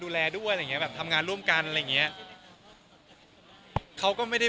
ดูแลด้วยทำงานร่วมกันแบบ